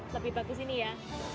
lebih bagus ini ya